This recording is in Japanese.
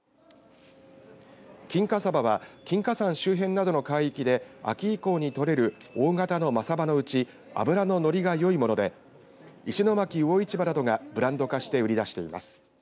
金華さばは金華山周辺などの海域で秋以降に取れる大型のマサバのうち脂の乗りがよいもので石巻魚市場などがブランド化して売り出しています。